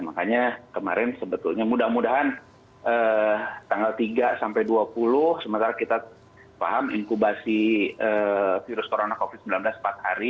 makanya kemarin sebetulnya mudah mudahan tanggal tiga sampai dua puluh sementara kita paham inkubasi virus corona covid sembilan belas empat hari